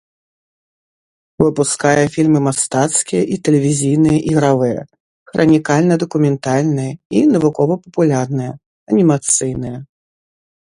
Выпускае фільмы мастацкія і тэлевізійныя ігравыя, хранікальна-дакументальныя і навукова-папулярныя, анімацыйныя.